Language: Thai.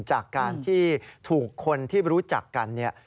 จากการที่ถูกคนที่รู้จักกันเนี่ย